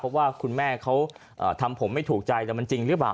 เพราะว่าคุณแม่เขาทำผมไม่ถูกใจแต่มันจริงหรือเปล่า